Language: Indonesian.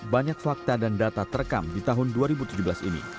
banyak fakta dan data terekam di tahun dua ribu tujuh belas ini